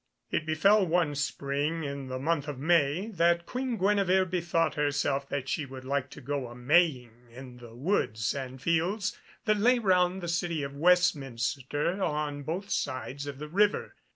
It befell one spring, in the month of May, that Queen Guenevere bethought herself that she would like to go a maying in the woods and fields that lay round the City of Westminster on both sides of the river.